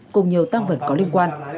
cùng nhiều tăng vật có liên quan